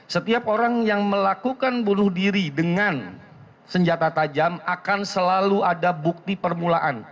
setiap orang yang melakukan bunuh diri dengan senjata tajam akan selalu ada bukti permulaan